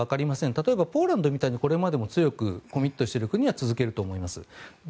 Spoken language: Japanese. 例えば、ポーランドみたいにこれまでも強くコミットしている国は続けると思います。